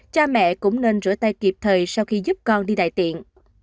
cha mẹ cũng nên rửa tay kịp thời sau khi giúp con đi đại tiện